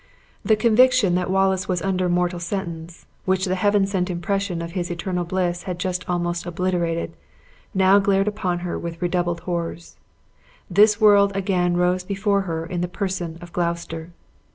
The conviction that Wallace was under mortal sentence, which the heaven sent impression of his eternal bliss had just almost obliterated, now glared upon her with redoubled horrors. This world again rose before her in the person of Gloucester.